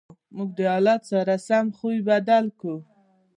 موږ د حالت سره سم خوی بدل کړو.